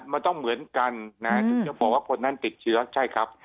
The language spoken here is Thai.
มันต้องเหมือนกันนะถึงจะบอกว่าคนนั้นติดเชื้อใช่ครับ